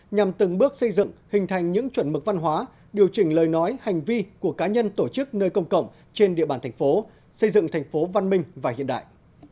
nhằm từng bước xây dựng hình thành những chuẩn mực văn hóa điều chỉnh lời nói hành vi của cá nhân tổ chức nơi công cộng trên địa bàn thành phố xây dựng thành phố văn minh và hiện đại